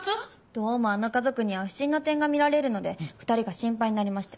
どうもあの家族には不審な点が見られるので２人が心配になりまして。